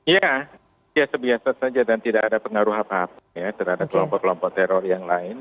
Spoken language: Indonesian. ya biasa biasa saja dan tidak ada pengaruh apa apa ya terhadap kelompok kelompok teror yang lain